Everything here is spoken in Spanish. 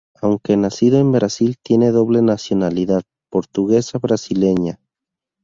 Aunque nacido en Brasil, tiene doble nacionalidad portuguesa-brasileña.